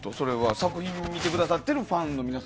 作品を見てくださっているファンの皆様？